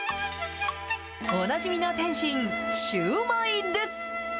おなじみの点心、シューマイです。